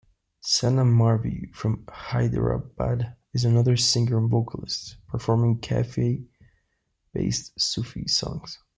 Sanam Marvi from Hyderabad is another singer and vocalist, performing Kafi based Sufi songs.